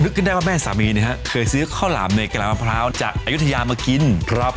ขึ้นได้ว่าแม่สามีนะฮะเคยซื้อข้าวหลามในกะลามะพร้าวจากอายุทยามากินครับ